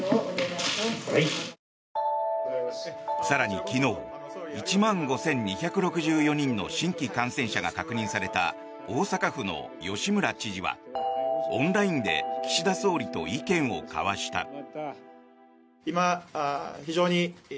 更に、昨日１万５２６４人の新規感染者が確認された大阪府の吉村知事はオンラインで岸田総理と意見を交わした。